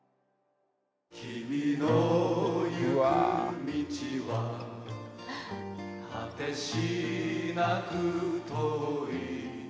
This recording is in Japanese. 「君の行く道は果てしなく遠い」